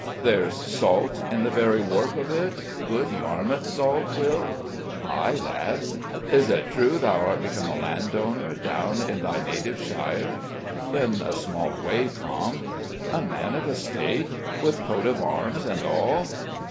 _ There's salt in the very warp of it, good Yarmouth salt. Will?" "Ay, lad?" "Is't true thou'rt become a landowner, down in thy native shire?" "In a small way, Tom." "A man of estate? with coat of arms and all?"